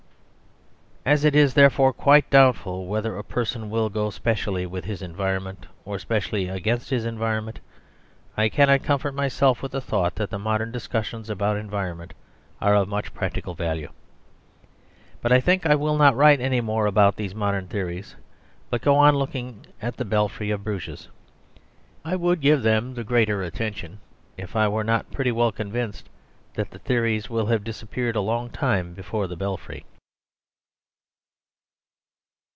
As it is therefore quite doubtful whether a person will go specially with his environment or specially against his environment, I cannot comfort myself with the thought that the modern discussions about environment are of much practical value. But I think I will not write any more about these modern theories, but go on looking at the Belfry of Bruges. I would give them the greater attention if I were not pretty well convinced that the theories will have disappeared a long time before the Belfry.